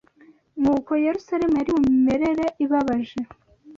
n’uko Yerusalemu yari mu mimerere ibabaje